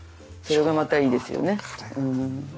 それがまたいいですよね。